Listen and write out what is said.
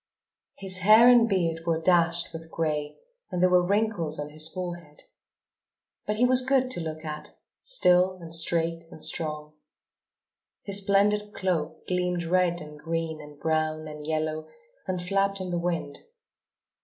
His hair and beard were dashed with gray and there were wrinkles on his forehead. But he was good to look at, still and straight and strong. His splendid cloak gleamed red and green and brown and yellow and flapped in the wind.